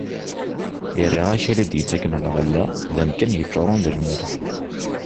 Irra akal i d-ittaken lɣella d amkan yeččuren d lemleḥ.